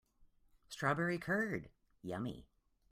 Strawberry curd, yummy!